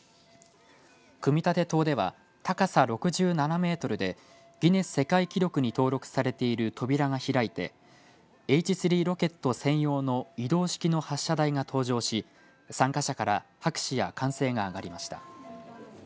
組み立て棟では高さ６７メートルでギネス世界記録に登録されている扉が開いてＨ３ロケット専用の移動式の発射台が登場し参加者から拍手や歓声が上がりました。